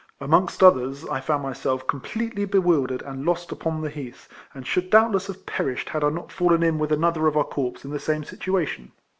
Amongst others, I found myself completely bewildered and lost upon the heath, and should doubtless have perished had I not fallen in with another of our corps in the same situation.